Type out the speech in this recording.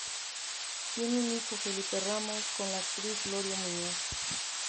Tiene un hijo, Felipe Ramos, con la actriz Gloria Muñoz.